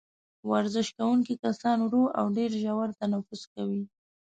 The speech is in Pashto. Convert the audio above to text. ورزش کوونکي کسان ورو او ډېر ژور تنفس کوي.